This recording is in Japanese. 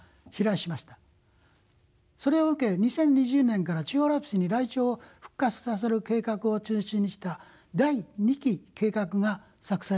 それを受け２０２０年から中央アルプスにライチョウを復活させる計画を中心にした第二期計画が作成されました。